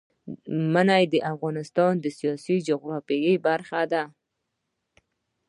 منی د افغانستان د سیاسي جغرافیه برخه ده.